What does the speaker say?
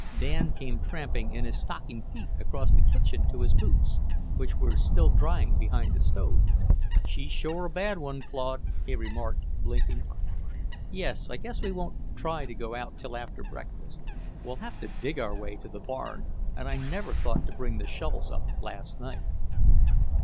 Dan came tramping in his stocking feet across the kitchen to his boots, which were still drying behind the stove. "She's sure a bad one, Claude," he remarked, blinking. "Yes. I guess we won't try to go out till after breakfast. We'll have to dig our way to the barn, and I never thought to bring the shovels up last night."